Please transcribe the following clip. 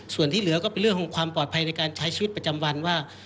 ส่วนที่เหลือก็เป็นเรื่องของความปลอดภัยในการใช้ชีวิตประจำวันว่า